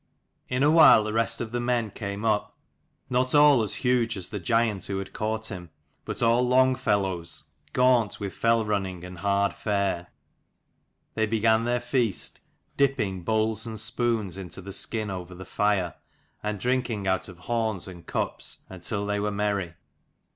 N a while the rest of the men came up, not all as huge as the giant who had caught him, but all long fellows, gaunt with fell running and hard fare. They began their feast, dipping bowls and spoons into the skin over the fire, and drinking out of horns and cups until they were merry.